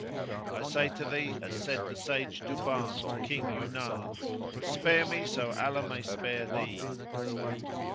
I say to thee as said the Sage Duban to King Yunan, "Spare me so Allah may spare thee!"